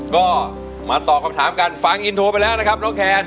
ก็มาตอบคำถามกันฟังอินโทรไปแล้วนะครับน้องแคน